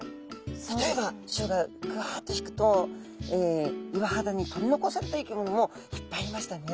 例えば潮がグワッと引くと岩肌に取り残された生き物もいっぱいいましたね。